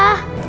udah diam deh